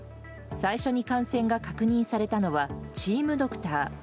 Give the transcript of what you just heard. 最初に感染が確認されたのはチームドクター。